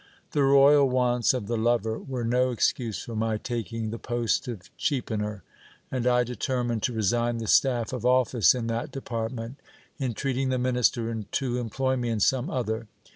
The royal wants of the lover were no excuse for my taking the post of cheapener, and I determined to resign the staff of office in that de partment, entreating the minister to employ me in some other.